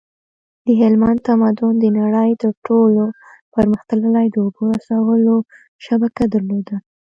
د هلمند تمدن د نړۍ تر ټولو پرمختللی د اوبو رسولو شبکه درلوده